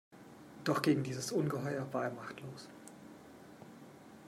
Doch gegen dieses Ungeheuer war er machtlos.